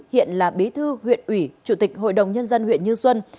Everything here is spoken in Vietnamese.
hiện là bí thư huyện ủy chủ tịch hội đồng nhân dân huyện như xuân